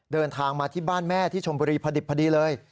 เดินทางมาที่บ้านแม่ที่ชมบุรีพอดิบพอดีเลย